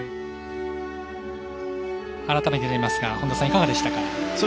改めてになりますが本田さん、いかがでしたか？